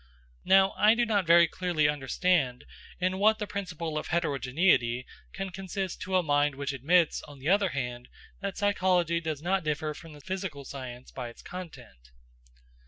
Now I do not very clearly understand in what the principle of heterogeneity can consist to a mind which admits, on the other hand, that psychology does not differ from the physical sciences by its content.